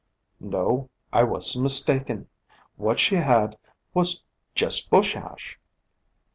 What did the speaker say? No, I was mistaken. What she had was "just Bush Ash."